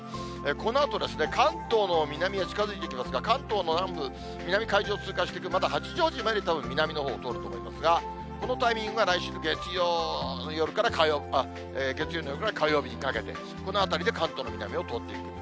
このあと、関東の南へ近づいてきますが、関東の南部、南海上通過していく、まだ八丈島より南を通ると思いますが、このタイミングが来週月曜夜から火曜日にかけて、この辺りで関東の南を通っていく形。